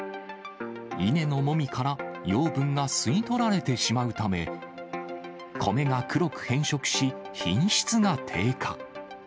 稲のもみから養分が吸い取られてしまうため、米が黒く変色し、品質が低下。